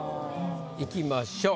いきましょう。